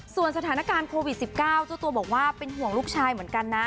ส่วนสถานการณ์โควิด๑๙เจ้าตัวบอกว่าเป็นห่วงลูกชายเหมือนกันนะ